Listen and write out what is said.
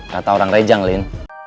kata orang rejang lin